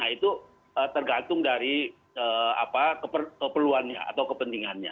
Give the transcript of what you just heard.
itu tergantung dari keperluannya atau kepentingannya